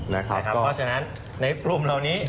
นะครับก็ก็ฉะนั้นในกลุ่มเหล่านี้